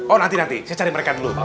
oh nanti nanti saya cari mereka dulu